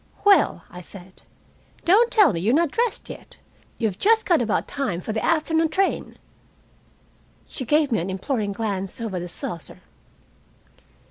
"Well!" I said. "Don't tell me you're not dressed yet. You've just got about time for the afternoon train." She gave me an imploring glance over the saucer.